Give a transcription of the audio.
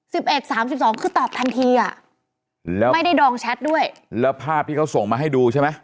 เอ็ดสามสิบสองคือตอบทันทีอ่ะแล้วไม่ได้ดองแชทด้วยแล้วภาพที่เขาส่งมาให้ดูใช่ไหม